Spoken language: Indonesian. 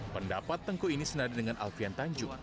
pendapat tengku ini senada dengan alfian tanjung